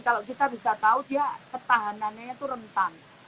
kalau kita bisa tahu dia ketahanannya itu rentan